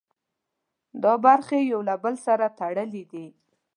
دا برخې یو له بل سره تړلي دي.